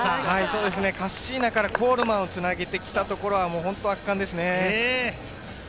カッシーナからコールマンを繋げてきたところは本当に圧巻ですね。